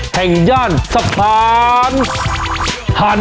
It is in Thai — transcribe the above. แห่งย่านสะพานฮันน